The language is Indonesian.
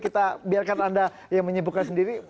kita biarkan anda yang menyibukkan sendiri